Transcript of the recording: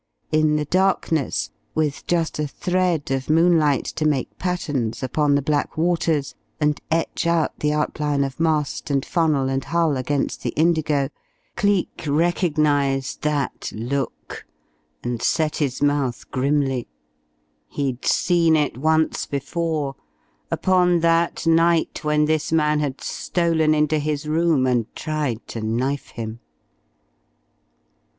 In the darkness, with just a thread of moonlight to make patterns upon the black waters and etch out the outline of mast and funnel and hull against the indigo, Cleek recognized that look, and set his mouth grimly. He'd seen it once before, upon that night when this man had stolen into his room and tried to knife him.